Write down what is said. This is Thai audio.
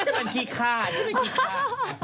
มันคิดค่าใช่ไหม